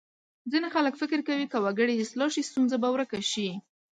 ځینې خلک فکر کوي که وګړي اصلاح شي ستونزه به ورکه شي.